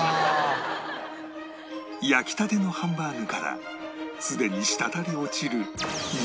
焼きたてのハンバーグからすでに滴り落ちる